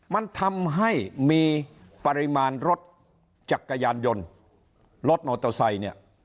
มันทำให้มีปริมาณรถจัดกระยานยนต์รถออโตซัย